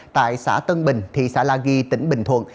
tại xã tân bình thị xã la ghi tỉnh bình thuận